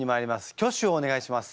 挙手をお願いします。